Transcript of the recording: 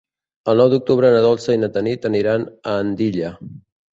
El nou d'octubre na Dolça i na Tanit aniran a Andilla.